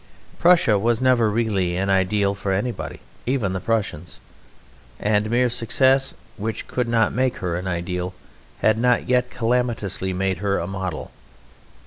Prussia was never really an ideal for anybody, even the Prussians, and mere success, which could not make her an ideal, had not yet calamitously made her a model.